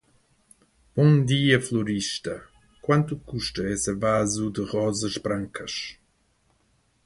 Bom dia florista. Quanto custa esse vaso de rosas brancas?